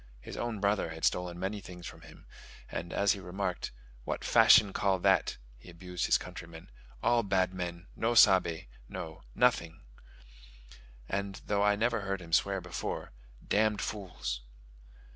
His own brother had stolen many things from him; and as he remarked, "What fashion call that:" he abused his countrymen, "all bad men, no sabe (know) nothing" and, though I never heard him swear before, "damned fools."